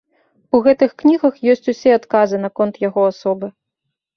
У гэтых кнігах ёсць усе адказы наконт яго асобы.